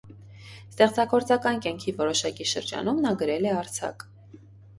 Ստեղծագործական կյանքի որոշակի շրջանում նա գրել է արձակ։